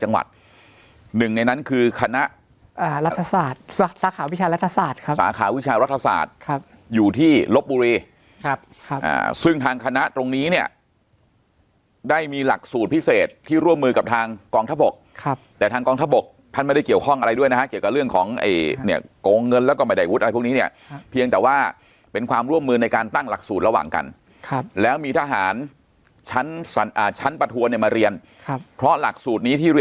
ขวัดหนึ่งในนั้นคือคณะอ่ารัฐศาสตร์สาขาวิชารัฐศาสตร์ครับสาขาวิชารัฐศาสตร์ครับอยู่ที่ลบบุรีครับครับอ่าซึ่งทางคณะตรงนี้เนี้ยได้มีหลักสูตรพิเศษที่ร่วมมือกับทางกองทะบกครับแต่ทางกองทะบกท่านไม่ได้เกี่ยวข้องอะไรด้วยนะฮะเกี่ยวกับเรื่องของไอ้เนี้ยโกงเงินแล้วก็หมายใดวุ